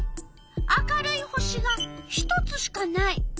明るい星が１つしかない。